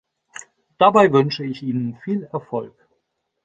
Dabei wünsche ich Ihnen viel Erfolg.